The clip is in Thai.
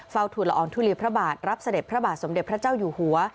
ฝุ่นละอองทุลีพระบาทรับเสด็จพระบาทสมเด็จพระเจ้าอยู่หัว